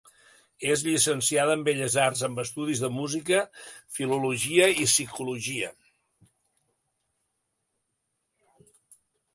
És llicenciada en Belles arts, amb estudis de música, filologia i psicologia.